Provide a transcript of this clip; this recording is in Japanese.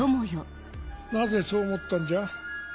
なぜそう思ったんじゃ？